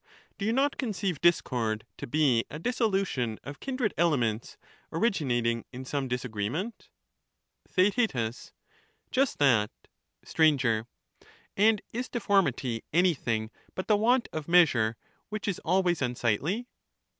Do you not conceive discord to be a dissolution of kindred elements, originating in some disagreement ? Theaet. Just that. Str. And is deformity anjrthing but the want of measure, which is always unsightly